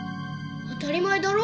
当たり前だろ。